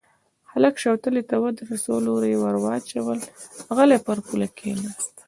هلک شوتلې ته ودرېد، څو لوره يې ور واچول، غلی پر پوله کېناست.